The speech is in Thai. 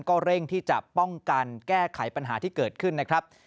ก็เร่งที่จะป้องกันแก้ไขปัญหาที่เกิดขึ้นนะครับ